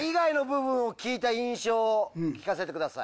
聞かせてください。